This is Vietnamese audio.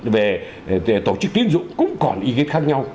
về tổ chức tiến dụng cũng còn ý kiến khác nhau